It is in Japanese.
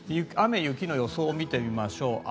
雨、雪の予想を見てみましょう。